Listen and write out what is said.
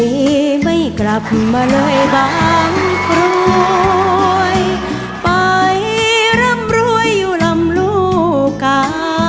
ไม่กลับมาเลยบางกรวยไปร่ำรวยอยู่ลำลูกกา